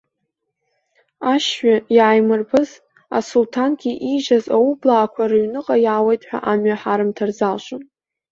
Ашьҩы иааимырбыз, асулҭангьы иижьаз аублаақәа, рыҩныҟа иаауеит ҳәа амҩа ҳарымҭар залшом!